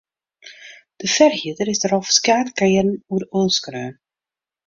De ferhierder is der al ferskate kearen oer oanskreaun.